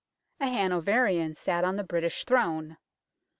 A Hanoverian sat on the British Throne.